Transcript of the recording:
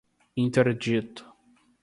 interdito